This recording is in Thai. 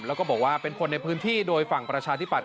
แล้วก็บอกว่าเป็นคนในพื้นที่โดยฝั่งประชาธิปัต